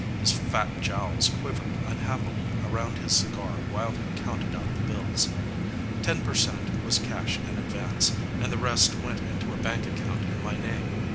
His fat jowls quivered unhappily around his cigar while he counted out the bills. Ten per cent was cash in advance, and the rest went into a bank account in my name.